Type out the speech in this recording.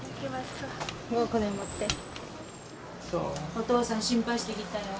お父さん心配してきたよ。